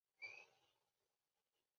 现在人们仍称仁川站为下仁川站。